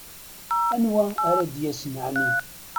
Anwa ara d-yasen, ɛni?